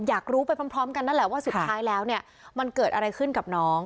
อยากรู้ไปพร้อมกันนั่นแหละว่าสุดท้ายแล้วเนี่ยมันเกิดอะไรขึ้นกับน้อง